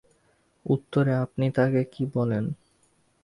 উত্তরে আপনি তাঁকে কী বলেন?